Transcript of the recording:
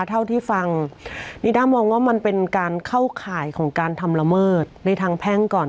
เท่าที่ฟังนิด้ามองว่ามันเป็นการเข้าข่ายของการทำละเมิดในทางแพ่งก่อน